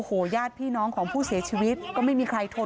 โชว์บ้านในพื้นที่เขารู้สึกยังไงกับเรื่องที่เกิดขึ้น